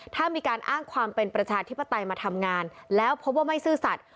ถ้ามีการอ้างความเป็นประชาธิปไตยมาทำงานแล้วพบว่าไม่ซื่อสัตว